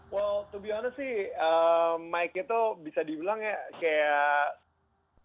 well to be honest sih mike nya tuh bisa dibilang ya kayak